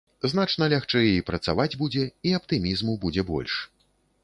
Значна лягчэй і працаваць будзе, і аптымізму будзе больш.